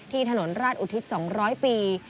ถนนราชอุทิศ๒๐๐ปี